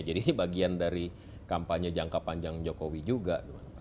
jadi ini bagian dari kampanye jangka panjang jokowi juga